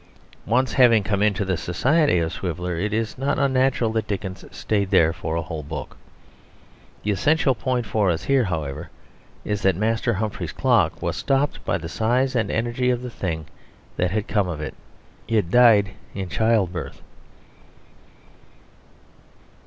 Once having come into the society of Swiveller it is not unnatural that Dickens stayed there for a whole book. The essential point for us here, however, is that Master Humphrey's Clock was stopped by the size and energy of the thing that had come of it. It died in childbirth.